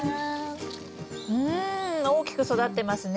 うん大きく育ってますね。